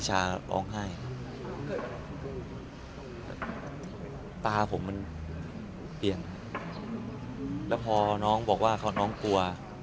นิชาร้องไห้ตาผมมันเปลี่ยนแล้วพอน้องบอกว่าน้องกลัว